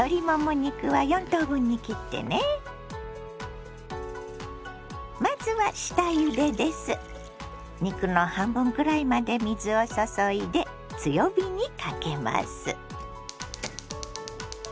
肉の半分くらいまで水を注いで強火にかけます。